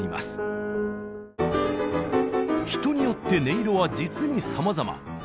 人によって音色は実にさまざま。